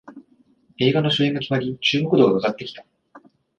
映画の主演が決まり注目度が上がってきた